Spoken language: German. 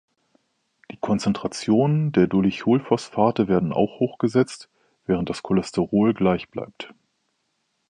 Die Konzentrationen der Dolicholphosphate werden auch hochgesetzt, während das Cholesterol gleichbleibt.